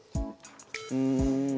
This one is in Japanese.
うん。